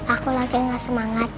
aku lagi gak semangat